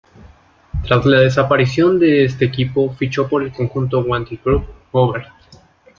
Tras la desaparición de este equipo fichó por el conjunto Wanty-Groupe Gobert.